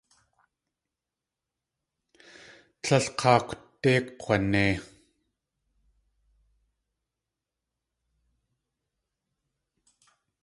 Tlél k̲áakwde kg̲wanei.